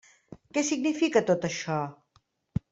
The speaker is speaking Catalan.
Què significa tot això?